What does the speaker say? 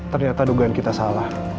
ternyata dugaan kita salah